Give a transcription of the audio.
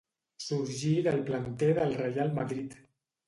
Sorgí del planter del Reial Madrid.